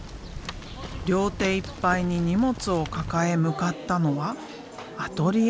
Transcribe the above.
両手いっぱいに荷物を抱え向かったのはアトリエ。